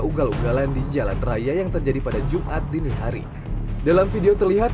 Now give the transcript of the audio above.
ugal ugalan di jalan raya yang terjadi pada jumat dini hari dalam video terlihat